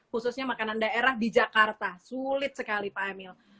khususnya makanan daerah di jakarta sulit sekali pak emil